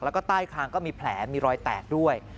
แล้วก็ใต้คางก็มีแผลมีรอยแตกด้วย